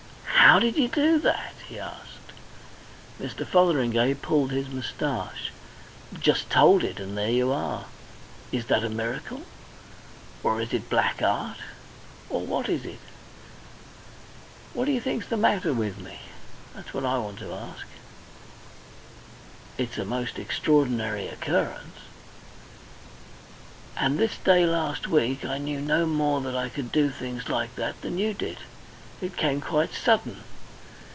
"How did you do that?" he asked. Mr. Fotheringay pulled his moustache. "Just told it and there you are. Is that a miracle, or is it black art, or what is it? And what do you think's the matter with me? That's what I want to ask." "It's a most extraordinary occurrence." "And this day last week I knew no more that I could do things like that than you did. It came quite sudden.